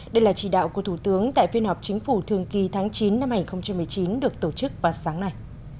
đây là chỉ đạo của thủ tướng tại phiên họp chính phủ thường kỳ tháng chín năm hai nghìn một mươi chín được tổ chức vào sáng nay